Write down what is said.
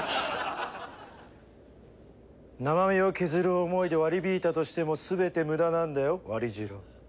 生身を削る思いで割り引いたとしてもすべて無駄なんだよ割寿郎。